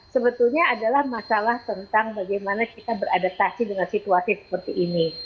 sebetulnya adalah masalah tentang bagaimana kita beradaptasi dengan situasi seperti ini